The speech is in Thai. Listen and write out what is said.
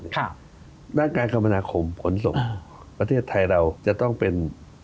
ด้านการคมนาคมขนส่งประเทศไทยเราจะต้องเป็น